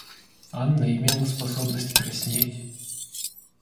Анна имела способность краснеть.